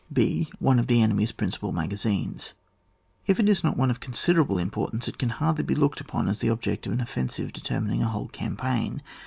{h.) One of the enemy^e principal maya' zinee. If it is not one of considerable importance, it can hardly be looked upon as the object of an offensive determining a whole campaign.